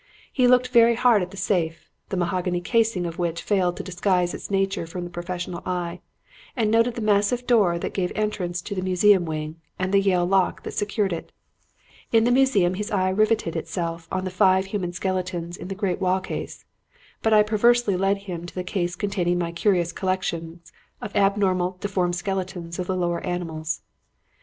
He looked very hard at the safe, the mahogany casing of which failed to disguise its nature from the professional eye, and noted the massive door that gave entrance to the museum wing and the Yale lock that secured it. In the museum his eye riveted itself on the five human skeletons in the great wall case, but I perversely led him to the case containing my curious collection of abnormal and deformed skeletons of the lower animals.